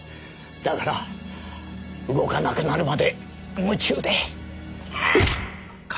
だから動かなくなるまで夢中で。